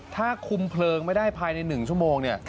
ถ้าคุมเพลิงไม่ได้ภายใน๑ชั่วโมงเนี่ย